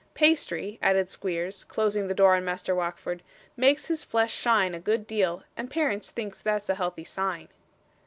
Pastry,' added Squeers, closing the door on Master Wackford, 'makes his flesh shine a good deal, and parents thinks that a healthy sign.